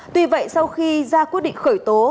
tuy vậy sau khi ra quyết định khởi tố